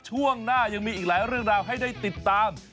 ช่วงหน้ายังมีอีกหลายเรื่องราวให้ได้ติดตาม